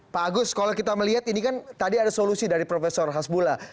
pak agus kalau kita melihat ini kan tadi ada solusi dari prof hasbullah